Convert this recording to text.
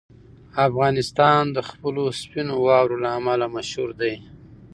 افغانستان د خپلو سپینو واورو له امله مشهور دی.